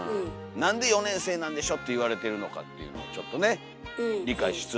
なんで「４年生なんでしょ」って言われてるのかっていうのをちょっとね理解しつつ。